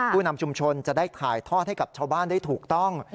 ผู้นำชุมชนจะได้ถ่ายทอดให้กับชาวบ้านได้ถูกต้อง